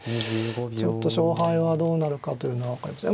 ちょっと勝敗はどうなるかというのは分かりません。